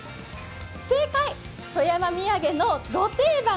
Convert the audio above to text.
正解、富山土産のど定番